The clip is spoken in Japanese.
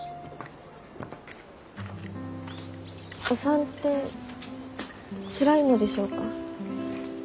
お産ってつらいのでしょうか？